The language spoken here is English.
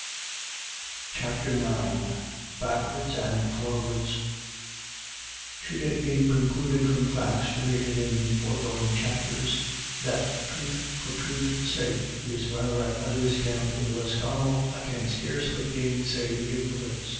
17 CHAPTER IX. BACKWARDS AND FORWARDS. SHOULD it be concluded from facts related in the foregoing chapters that truth for truth's sake is rather at a discount in Lisconnel, I can scarcely gainsay the inference.